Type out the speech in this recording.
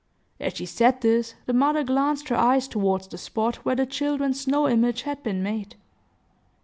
As she said this, the mother glanced her eyes toward the spot where the children's snow image had been made.